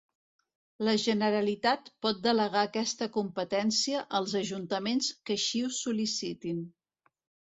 La Generalitat pot delegar aquesta competència als ajuntaments que així ho sol·licitin.